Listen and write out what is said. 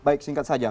baik singkat saja